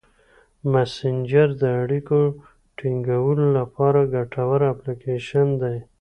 مسېنجر د اړیکو ټینګولو لپاره ګټور اپلیکیشن دی.